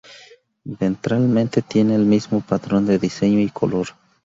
Ventralmente tiene el mismo patrón de diseño y color.